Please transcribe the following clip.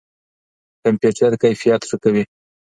کمپيوټر کيفيت ښه کوي.